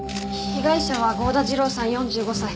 被害者は郷田次郎さん４５歳。